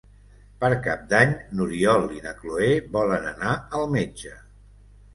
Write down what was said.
Per Cap d'Any n'Oriol i na Cloè volen anar al metge.